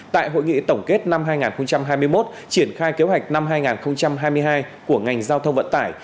tại hội nghị tổng kết năm hai nghìn hai mươi một triển khai kế hoạch năm hai nghìn hai mươi hai của ngành giao thông vận tải